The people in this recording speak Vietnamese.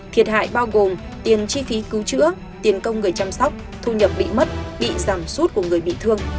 thiệt hại bao gồm tiền chi phí cứu chữa tiền công người chăm sóc thu nhập bị mất bị giảm sút của người bị thương